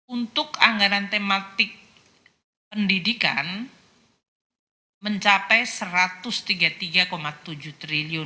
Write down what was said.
untuk anggaran tematik pendidikan mencapai rp satu ratus tiga puluh tiga tujuh triliun